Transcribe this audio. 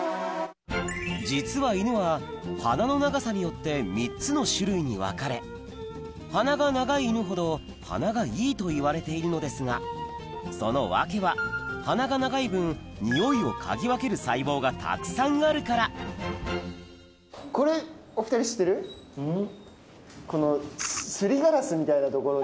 実は犬は鼻の長さによって３つの種類に分かれ鼻が長い犬ほど鼻がいいといわれているのですがその訳は鼻が長い分ニオイを嗅ぎ分ける細胞がたくさんあるからこの。